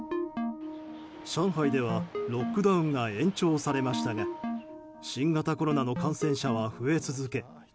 上海ではロックダウンが延長されましたが新型コロナの感染者は増え続け